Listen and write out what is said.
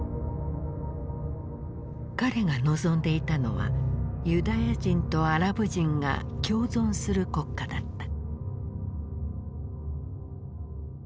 彼が望んでいたのはユダヤ人とアラブ人が共存する国家だった。